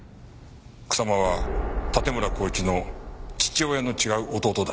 草間は盾村孝一の父親の違う弟だ。